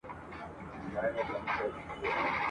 په ځالۍ کي یې ساتمه نازومه !.